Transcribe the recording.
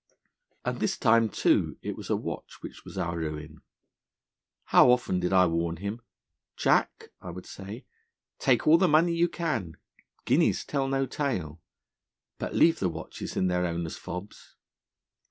'And this time, too, it was a watch which was our ruin. How often did I warn him: "Jack," I would say, "take all the money you can. Guineas tell no tale. But leave the watches in their owners' fobs."